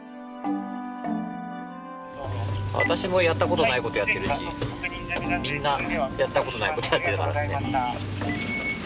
私もやったことないことやってるしみんなやったことないことやってるから。